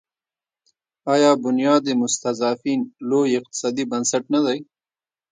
آیا بنیاد مستضعفین لوی اقتصادي بنسټ نه دی؟